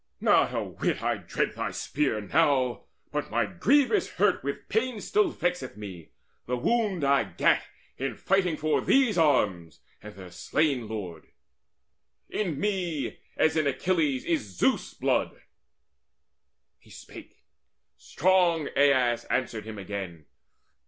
Not a whit I dread thy spear now, but my grievous hurt With pain still vexeth me, the wound I gat In fighting for these arms and their slain lord. In me as in Achilles is Zeus' blood." He spake; strong Aias answered him again.